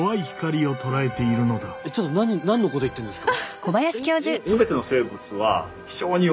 えっちょっと何のこと言ってんですか？